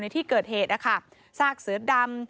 ที่เกิดเหตุนะคะซากเสือดำ